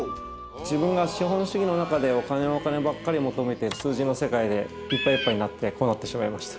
自分が資本主義の中でお金お金ばっかり求めて数字の世界でいっぱいいっぱいになってこうなってしまいました。